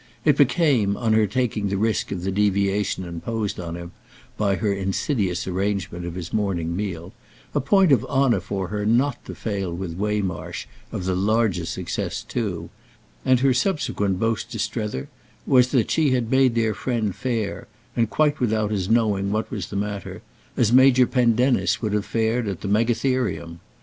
It became, on her taking the risk of the deviation imposed on him by her insidious arrangement of his morning meal, a point of honour for her not to fail with Waymarsh of the larger success too; and her subsequent boast to Strether was that she had made their friend fare—and quite without his knowing what was the matter—as Major Pendennis would have fared at the Megatherium.